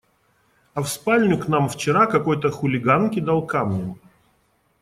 А в спальню к нам вчера какой-то хулиган кидал камнем.